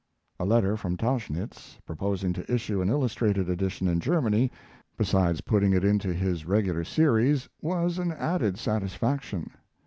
A letter from Tauchnitz, proposing to issue an illustrated edition in Germany, besides putting it into his regular series, was an added satisfaction.